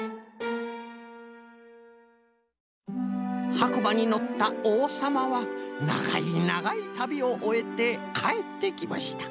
「はくばにのったおうさまはながいながいたびをおえてかえってきました。